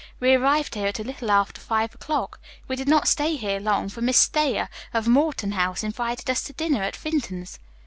We arrived here at a little after five o'clock. We did not stay here long, for Miss Thayer, of Morton House, invited us to dinner at Vinton's."